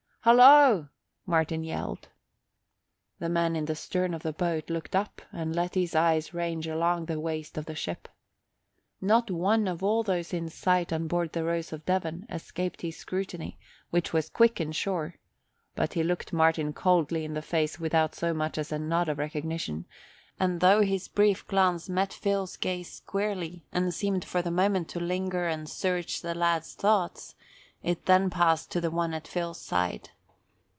"Holla!" Martin yelled. The man in the stern of the boat looked up and let his eyes range along the waist of the ship. Not one of all those in sight on board the Rose of Devon escaped his scrutiny, which was quick and sure; but he looked Martin coldly in the face without so much as a nod of recognition; and though his brief glance met Phil's gaze squarely and seemed for the moment to linger and search the lad's thoughts, it then passed to the one at Phil's side.